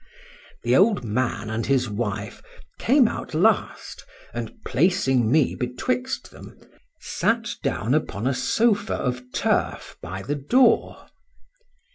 —The old man and his wife came out last, and placing me betwixt them, sat down upon a sofa of turf by the door.